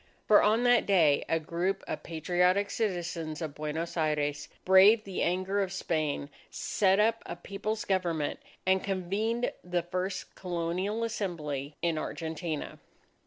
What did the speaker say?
For on that day a group of patriotic citizens of Buenos Aires braved the anger of Spain, set up a People's Government, and convened the first Colonial Assembly in Argentina.